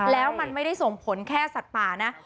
แล้วมันไม่ได้ส่งผลแค่สัตว์ป่านะ